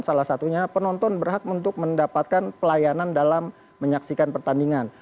salah satunya penonton berhak untuk mendapatkan pelayanan dalam menyaksikan pertandingan